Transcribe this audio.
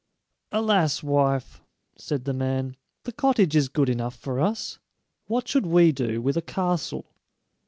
"Alas, wife!" said the man; "the cottage is good enough for us; what should we do with a castle?"